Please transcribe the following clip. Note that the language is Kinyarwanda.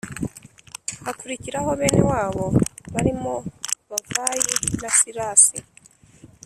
Hakurikiraho bene wabo barimo Bavayi na silasi